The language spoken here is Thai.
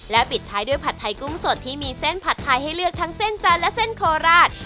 ปิดท้ายด้วยผัดไทยกุ้งสดที่มีเส้นผัดไทยให้เลือกทั้งเส้นจันทร์และเส้นโคราช